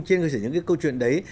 trên cơ sở những cái câu chuyện đấy